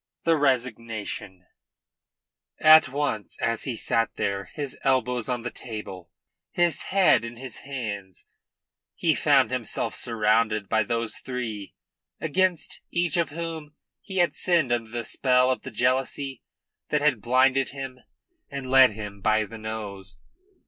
THE RESIGNATION At once, as he sat there, his elbows on the table, his head in his hands, he found himself surrounded by those three, against each of whom he had sinned under the spell of the jealousy that had blinded him and led him by the nose.